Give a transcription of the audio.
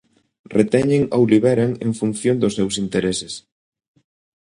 Reteñen ou liberan en función dos seus intereses.